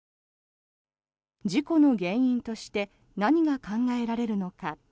事故の原因として何が考えられるのか。